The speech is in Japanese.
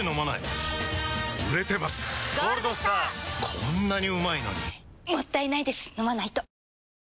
こんなにうまいのにもったいないです、飲まないと。